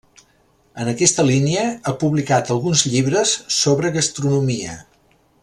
En aquesta línia ha publicat alguns llibres sobre gastronomia.